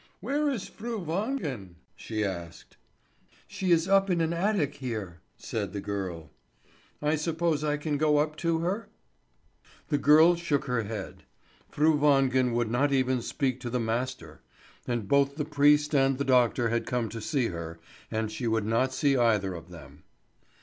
"Where is Fru Wangen?" she asked. "She is up in an attic here," said the girl. "I suppose I can go up to her?" The girl shook her head. Fru Wangen would not even speak to the master; and both the priest and the doctor had come to see her, and she would not see either of them.